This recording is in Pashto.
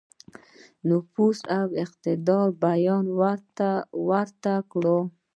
نفوذ او اقتدار بیان ورته وکړ.